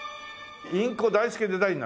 インコ大好きデザイン。